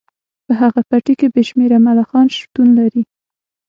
په هغه پټي کې بې شمیره ملخان شتون لري